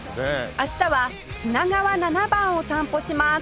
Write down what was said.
明日は砂川七番を散歩します